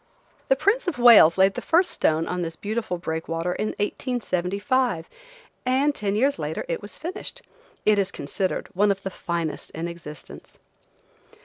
The Prince of Wales laid the first stone of this beautiful breakwater in 1875, and ten years later it was finished. It is considered one of the finest in existence.